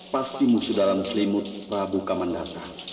pastimu sudah dalam selimut pra bunlar